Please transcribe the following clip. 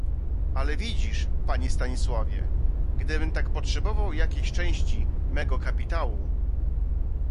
"Ale widzisz, panie Stanisławie, gdybym tak potrzebował jakiejś części mego kapitału..."